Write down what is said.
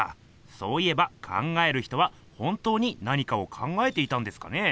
そういえば「考える人」は本当に何かを考えていたんですかね？